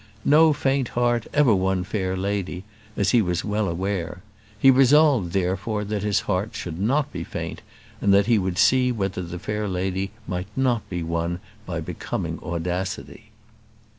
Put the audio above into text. No faint heart ever won a fair lady, as he was well aware; he resolved, therefore, that his heart should not be faint, and that he would see whether the fair lady might not be won by becoming audacity.